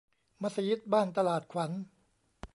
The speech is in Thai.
มัสยิดบ้านตลาดขวัญ